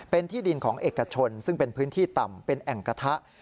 เป็นที่ดินของเอกชนซึ่งเป็นพื้นที่ต่ำเป็นแอ่งกระทะ